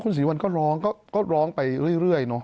คุณศรีสุวรรณก็ร้องร้องไปเรื่อย